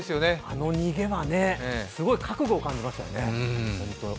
あの逃げは、すごい覚悟を感じましたよね。